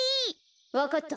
わかった。